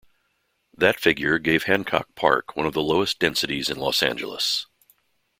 That figure gave Hancock Park one of the lowest densities in Los Angeles.